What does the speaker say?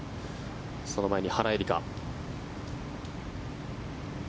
その前に原英莉花。